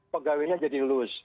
pegawainya jadi loose